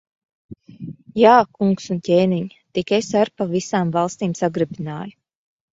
Jā, kungs un ķēniņ! Tik es ar pa visām valstīm sagrabināju.